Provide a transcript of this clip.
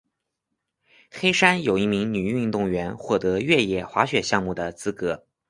黑山有一名女运动员获得越野滑雪项目的资格。